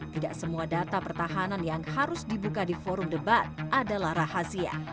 tidak semua data pertahanan yang harus dibuka di forum debat adalah rahasia